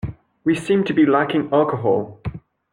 We seem to be lacking alcohol.